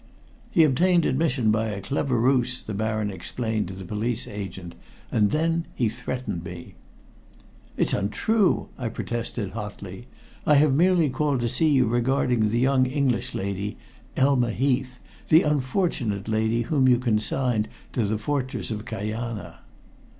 "He obtained admission by a clever ruse," the Baron explained to the police agent. "And then he threatened me." "It's untrue," I protested hotly. "I have merely called to see you regarding the young English lady, Elma Heath the unfortunate lady whom you consigned to the fortress of Kajana."